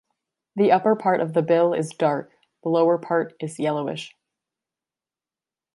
The upper part of the bill is dark, the lower part is yellowish.